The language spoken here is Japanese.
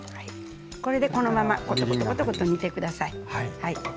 これでこのままコトコトコトコト煮て下さい。